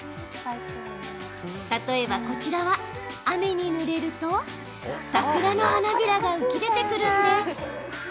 例えば、こちらは雨にぬれると桜の花びらが浮き出てくるんです。